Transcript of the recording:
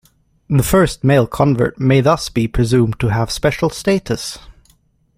The first male convert may thus be presumed to have a special status.